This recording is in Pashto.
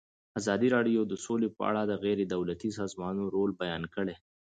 ازادي راډیو د سوله په اړه د غیر دولتي سازمانونو رول بیان کړی.